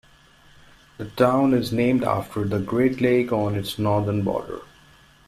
The town is named after the Great Lake on its northern border.